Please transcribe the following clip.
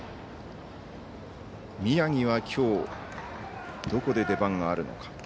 宮城はきょうどこで出番があるのか。